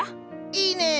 いいねえ。